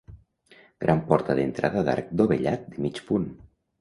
Gran porta d'entrada d'arc dovellat de mig punt.